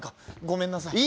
ごめんなさい。